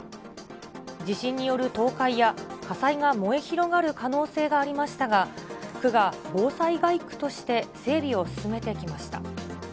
地震による倒壊や火災が燃え広がる可能性がありましたが、区が防災街区として整備を進めてきました。